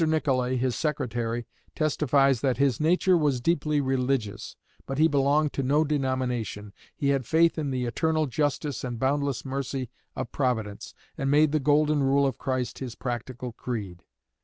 Nicolay, his secretary, testifies that "his nature was deeply religious, but he belonged to no denomination; he had faith in the eternal justice and boundless mercy of Providence, and made the Golden Rule of Christ his practical creed."